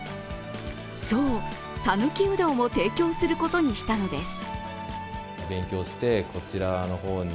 そう、さぬきうどんを提供することにしたのです。